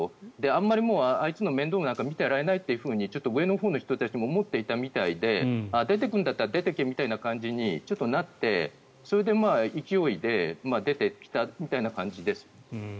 あんまりあいつの面倒なんか見ていられないってちょっと上のほうの人たちも思っていたみたいで出てくんだったら出てけみたいな感じにちょっとなってそれで勢いで出てきたみたいな感じです。